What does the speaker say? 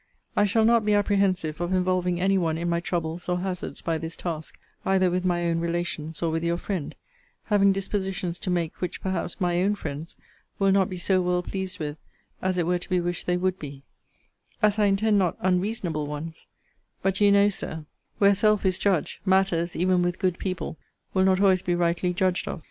'I shall not be apprehensive of involving any one in my troubles or hazards by this task, either with my own relations, or with your friend; having dispositions to make which perhaps my own friends will not be so well pleased with as it were to be wished they would be;' as I intend not unreasonable ones; but you know, Sir, where self is judge, matters, even with good people, will not always be rightly judged of.